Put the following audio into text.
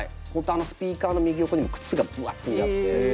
あのスピーカーの右横にも靴がブワ積んであって。